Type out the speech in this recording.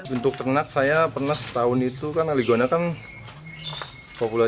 untuk ternak saya pernah setahun itu kan aligona kan populer